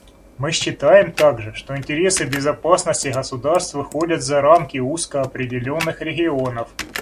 Мы считаем также, что интересы безопасности государств выходят за рамки узко определенных регионов.